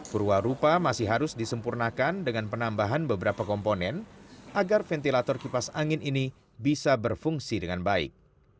perwarupa masih harus disempurnakan dengan penambahan beberapa komponen agar ventilator kipas angin ini bisa berfungsi dengan baik